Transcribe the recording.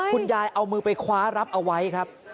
ยายเอามือไปคว้ารับเอาไว้ครับ